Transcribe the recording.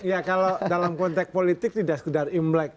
ya kalau dalam konteks politik tidak sekedar imlek